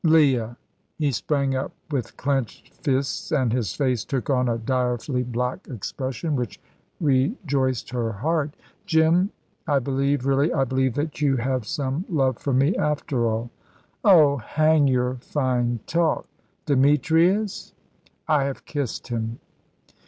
"Leah!" He sprang up with clenched fists and his face took on a direfully black expression, which rejoiced her heart. "Jim, I believe really, I believe that you have some love for me after all." "Oh, hang your fine talk. Demetrius?" "I have kissed him."